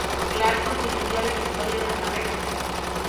Clark conseguiría la victoria en la carrera.